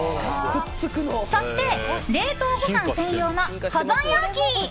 そして冷凍ご飯専用の保存容器！